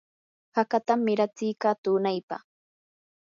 hakatam miratsiyka tunaypa.